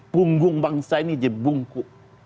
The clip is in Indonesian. punggung bangsa ini jebungku